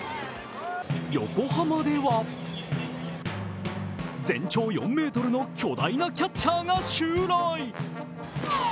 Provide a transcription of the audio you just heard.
横浜では全長４ｍの巨大なキャッチャーが襲来。